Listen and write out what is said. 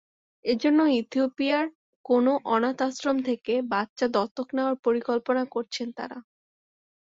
এজন্য ইথিওপিয়ার কোনো অনাথ আশ্রম থেকে বাচ্চা দত্তক নেওয়ার পরিকল্পনা করছেন তাঁরা।